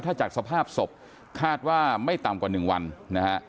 ถ้าจากสภาพศพคาดว่าไม่ต่ำกว่า๑วันนะฮะ